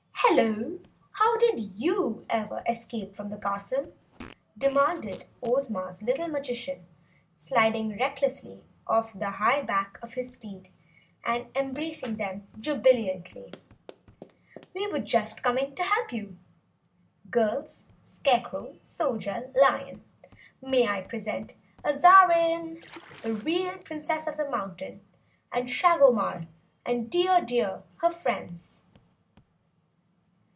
"Hello! How ever did you escape from the castle?" demanded Ozma's little Magician, sliding recklessly off the high back of his steed and embracing them jubilantly. "We were just coming to help you. Girls, Scarecrow, Soldier, Lion may I present Azarine, the real Princess of this Mountain, and Shagomar and Dear Deer, her friends!"